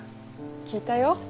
聞いたよ。